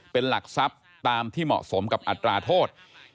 เป็นหลักทรัพย์ตามที่เหมาะสมกับอัตราโทษ